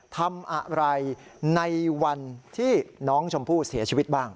ทำอะไรในวันที่น้องชมพู่เสียชีวิตบ้าง